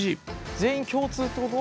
全員共通ってこと？